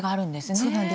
そうなんです。